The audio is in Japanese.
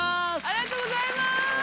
ありがとうございます。